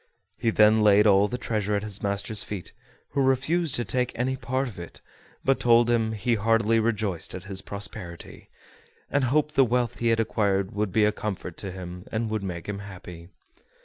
He then laid all the treasure at his master's feet, who refused to take any part of it, but told him he heartily rejoiced at his prosperity, and hoped the wealth he had acquired would be a comfort to him, and would make him happy.